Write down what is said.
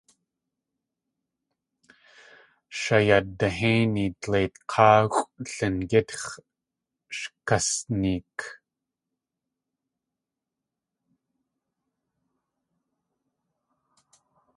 Shayadihéini dleit k̲áaxʼw Lingítx̲ sh kasneek.